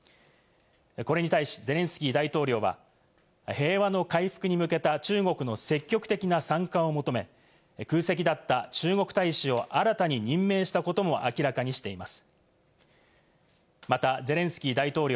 これに対しゼレンスキー大統領は平和の回復に向けた中国の積極的な参加を求め、空席だった中国大使を新たに任命したことも明らかにしています。